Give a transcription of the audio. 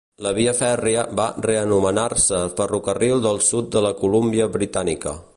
La via fèrria va reanomenar-se Ferrocarril del Sud de la Colúmbia Britànica.